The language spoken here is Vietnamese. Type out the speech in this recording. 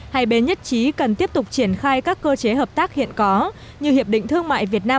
hai bên nhất trí cần tiếp tục triển khai các cơ chế hợp tác hiện có như hiệp định thương mại việt nam